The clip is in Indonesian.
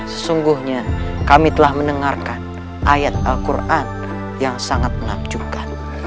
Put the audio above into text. sesungguhnya kami telah mendengarkan ayat al quran yang sangat menakjubkan